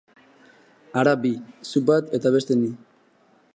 Hara bi: zu bat eta beste ni.